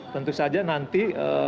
tentu saja nanti